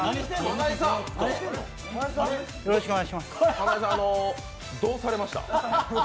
花井さん、どうされました？